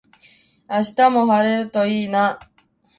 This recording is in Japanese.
明日も晴れるといいな